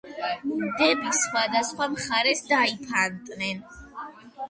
დები სხვადასხვა მხარეს დაიფანტნენ.